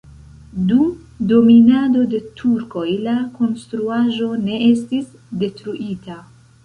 Dum dominado de turkoj la konstruaĵo ne estis detruita.